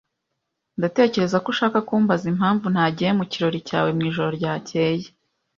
Ndakeka ko ushaka kumbaza impamvu ntagiye mu kirori cyawe mwijoro ryakeye.